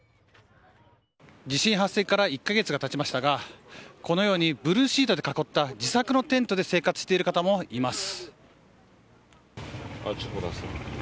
地震発生から１か月がたちましたが、このように、ブルーシートで囲った自作のテントで生活している人もいます。